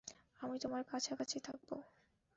আমি তোমার কাছাকাছি থাকব।